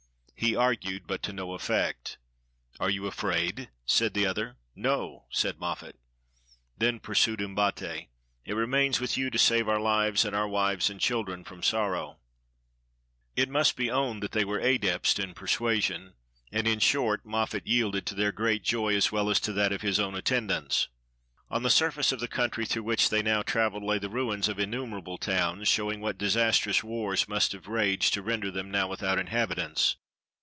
He argued, but to no effect. "Are you afraid?" said the other. "No," said Moffat. "Then," pursued Umbate, "it remains with you to save our lives, and our wives and children from sorrow." It must be owned that they were adepts in persuasion ; and, in short, Moffat yielded, to their great joy as well as to that of his own attendants. On the surface of the country through which they now traveled lay the ruins of innumerable towns, show ing what disastrous wars must have raged to render them now without inhabitants.